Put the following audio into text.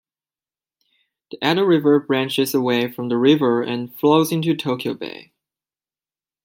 The Edo River branches away from the river and flows into Tokyo Bay.